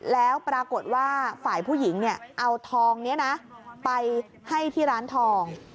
แล้วปรากฏว่าฝ่ายผู้หญิงเอาทองนี้นะไปให้ที่ร้านทอง